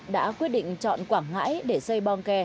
đã quyết định chọn quảng ngãi để xây bong ke